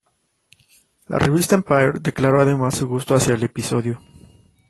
La revista Empire declaró además su gusto hacia el episodio.